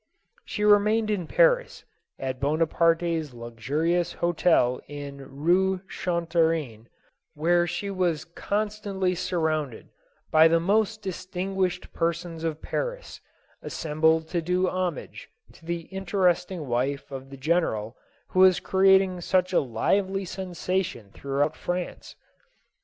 She remained in Paris, at Bonaparte's luxuri ous hotel in Eue Chantereine, where she was constantly surrounded by the most distinguished persons of Paris, assembled to do homage to the interesting wife of the general who was creating such a lively sensation throughout France.